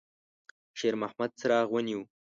شېرمحمد څراغ ونیوه.